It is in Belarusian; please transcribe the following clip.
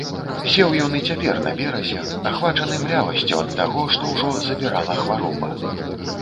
Сеў ён і цяпер на беразе, ахвачаны млявасцю ад таго, што ўжо забірала хвароба.